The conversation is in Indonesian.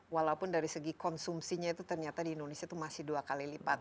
walaupun dari segi konsumsinya itu ternyata di indonesia itu masih dua kali lipat